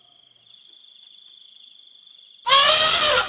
ติดต่อไปแล้ว